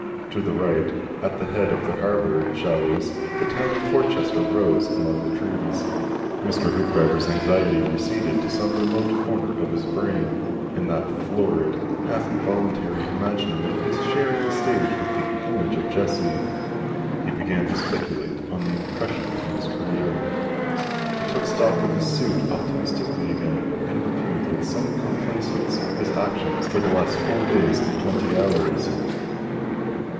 To the right at the head of the harbour shallows the town of Porchester rose among the trees. Mr. Hoopdriver's anxiety receded to some remote corner of his brain and that florid half voluntary imagination of his shared the stage with the image of Jessie. He began to speculate on the impression he was creating. He took stock of his suit in a more optimistic spirit, and reviewed, with some complacency, his actions for the last four and twenty hours.